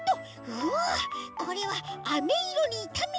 うわこれはあめいろにいためなければ。